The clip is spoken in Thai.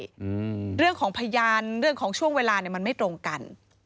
อืมเรื่องของพยานเรื่องของช่วงเวลาเนี้ยมันไม่ตรงกัน